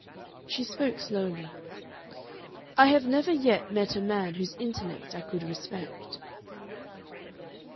She spoke slowly. "I have never yet met a man whose intellect I could respect."